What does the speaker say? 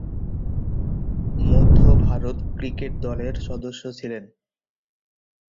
মধ্য ভারত ক্রিকেট দলের সদস্য ছিলেন।